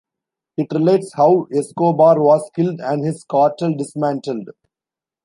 It relates how Escobar was killed and his cartel dismantled.